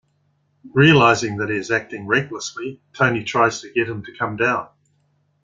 Realizing that he is acting recklessly, Tony tries to get him to come down.